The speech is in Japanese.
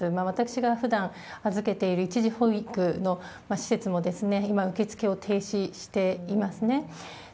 私がふだん預けている一時保育の施設も、今受け付けを停止してますね。